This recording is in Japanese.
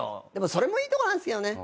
それもいいとこなんすけどね。